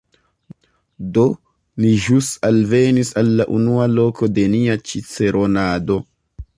Do, ni ĵus alvenis al la unua loko de nia ĉiceronado